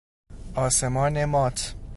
آسمان مات